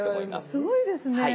すごいですねえ。